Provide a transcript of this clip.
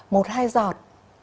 một hai giọt